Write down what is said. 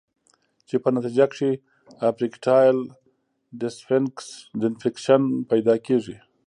چې پۀ نتېجه کښې ايريکټائل ډسفنکشن پېدا کيږي